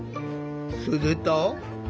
すると。